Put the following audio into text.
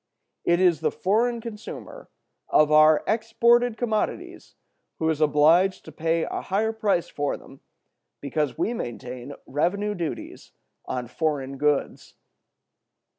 It is the foreign consumer of our exported commodities who is obliged to pay a higher price for them because we maintain revenue duties on foreign goods.